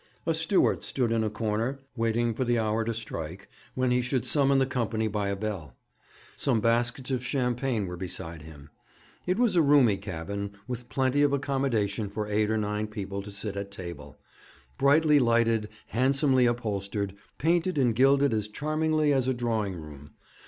A steward stood in a corner, waiting for the hour to strike when he should summon the company by a bell. Some baskets of champagne were beside him. It was a roomy cabin, with plenty of accommodation for eight or nine people to sit at table; brightly lighted, handsomely upholstered, painted and gilded as charmingly as a drawing room.